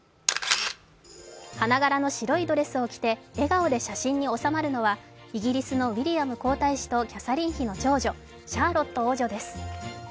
花柄の白いドレスを着て笑顔で写真に収まるのはイギリスのウィリアム皇太子とキャサリン妃の長女、シャーロット王女です。